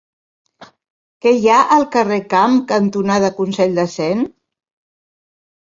Què hi ha al carrer Camp cantonada Consell de Cent?